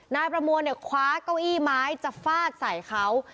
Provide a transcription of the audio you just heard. นายประมวลเนี่ยคว้าเก้าอี้ไม้จะฟาดใส่เขา